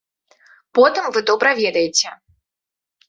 Потым вы добра ведаеце.